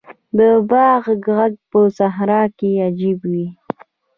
د باد ږغ په صحرا کې عجیب وي.